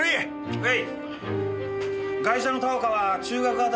はい。